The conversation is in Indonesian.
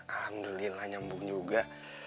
alhamdulillah nyambung juga